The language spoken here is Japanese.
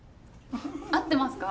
合ってますか？